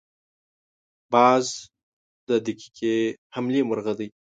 باز د دقیقې حملې مرغه دی